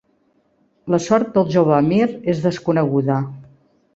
La sort del jove emir és desconeguda.